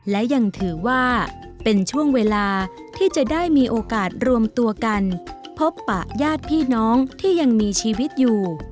และยังถือว่าเป็นช่วงเวลาที่จะได้มีโอกาสรวมตัวกันพบปะญาติพี่น้องที่ยังมีชีวิตอยู่